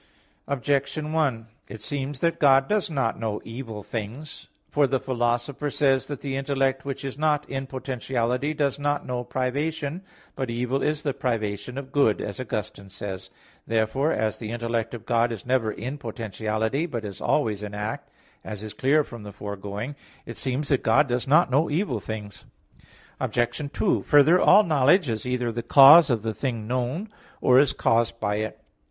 Objection 1: It seems that God does not know evil things. For the Philosopher (De Anima iii) says that the intellect which is not in potentiality does not know privation. But "evil is the privation of good," as Augustine says (Confess. iii, 7). Therefore, as the intellect of God is never in potentiality, but is always in act, as is clear from the foregoing (A. 2), it seems that God does not know evil things. Obj. 2: Further, all knowledge is either the cause of the thing known, or is caused by it.